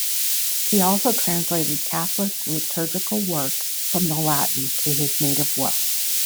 He also translated Catholic liturgical works from the Latin to his native Welsh.